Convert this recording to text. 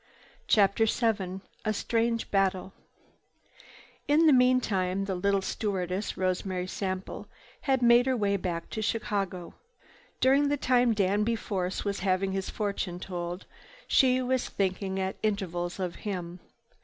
CHAPTER VII A STRANGE BATTLE In the meantime the little stewardess, Rosemary Sample, had made her way back to Chicago. During the time Danby Force was having his fortune told she was thinking at intervals of him.